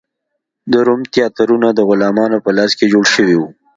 د روم تیاترونه د غلامانو په لاس جوړ شوي و.